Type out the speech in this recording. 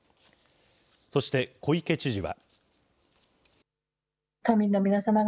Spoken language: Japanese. そして小池知事は。